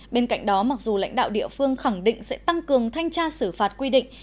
bên cạnh đó mặc dù lãnh đạo địa phương khẳng định sẽ tăng cường thanh tra xử phạt quy định